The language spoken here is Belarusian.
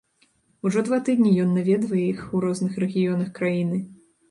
Ужо два тыдні ён наведвае іх у розных рэгіёнах краіны.